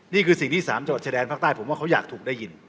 นี่คือสิ่งที่๓จังหวัดชายแดนภาคใต้ผมว่าเขาอยากถูกได้ยิน